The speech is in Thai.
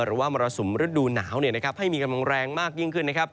หรือว่ามรสุมฤดูหนาวให้มีกำลังแรงมากยิ่งขึ้น